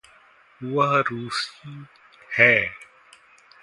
वह रूसी है।